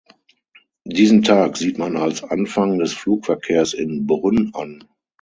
Diesen Tag sieht man als Anfang des Flugverkehrs in Brünn an.